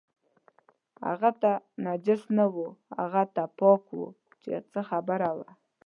هغه ته نجس نه و، هغه ته پاک و چې څه خبره وه.